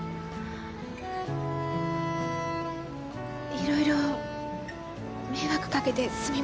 いろいろ迷惑かけてすみませんでした。